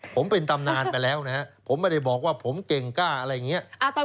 ผมเป็นตำนานไปแล้วนะฮะผมไม่ได้บอกว่าผมเก่งกล้าอะไรอย่างนี้